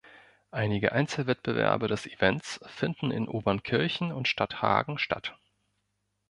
Einige Einzelwettbewerbe des Events finden in Obernkirchen und Stadthagen statt.